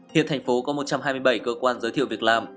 hiện thành phố có một trăm hai mươi bảy cơ quan giới thiệu việc làm